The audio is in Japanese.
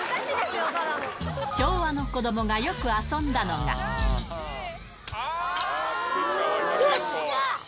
昭和の子どもがよく遊んだのよっしゃー！